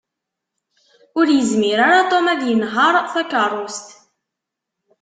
Ur yezmir ara Tom ad yenheṛ takeṛṛust.